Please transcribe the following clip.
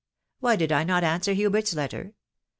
.. Why slid I answer Hubert's letter